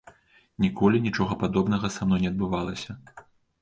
Ніколі нічога падобнага са мной не адбывалася.